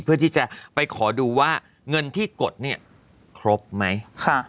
เพื่อที่จะไปขอดูว่าเงินที่กดเนี่ยครบไหม